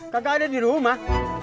kakak ada di rumah